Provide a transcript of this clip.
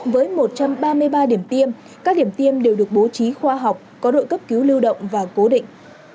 với một trăm ba mươi ba điểm tiêm các điểm tiêm đều được bố trí khoa học có đội cấp cứu lưu động và cố định